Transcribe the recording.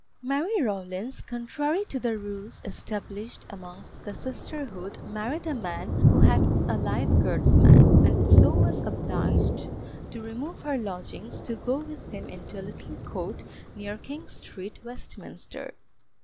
Mary Rawlins, contrary to the rules established amongst the sisterhood, married a man who had been a Life Guardsman, and so was obliged to remove her lodgings to go with him into a little court near King Street, Westminster.